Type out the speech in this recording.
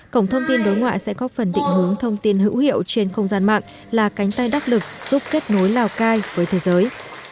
cổng thông tin đối ngoại sẽ có phần định hướng thông tin hữu hiệu trên không gian mạng là cánh tay đắc lực giúp kết nối lào cai với thế giới